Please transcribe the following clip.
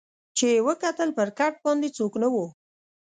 چي یې وکتل پر کټ باندي څوک نه وو